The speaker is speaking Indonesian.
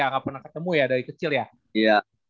gak pernah ketemu ya dari kecil ya